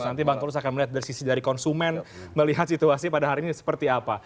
nanti bang tulus akan melihat dari sisi dari konsumen melihat situasi pada hari ini seperti apa